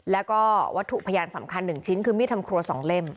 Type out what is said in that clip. และอาวัตถุพยานสำคัญ๑ชิ้นคือมิดธรรมครัว๒เล่ม